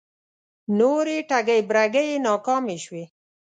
نورې ټگۍ برگۍ یې ناکامې شوې